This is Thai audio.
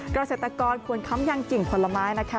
กระเศรษฐกรควรค้ำยังกิ่งผลไม้นะคะ